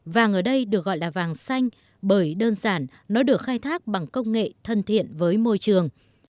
vàng ở đây được gọi là vàng xanh bởi đơn giản nó được khai thác bằng công nghệ thân thiện với môi trường